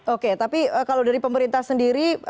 oke tapi kalau dari pemerintah sendiri